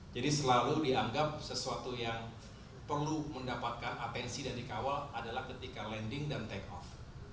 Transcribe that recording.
jadi selalu dianggap sesuatu yang perlu mendapatkan atensi dan dikawal adalah ketika landing dan take off